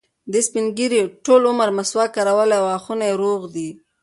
دې سپین ږیري ټول عمر مسواک کارولی او غاښونه یې روغ دي.